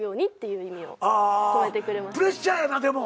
あプレッシャーやなでも。